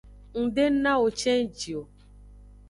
Ng de nawo cenji o.